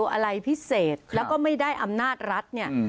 อะไรพิเศษแล้วก็ไม่ได้อำนาจรัฐเนี่ย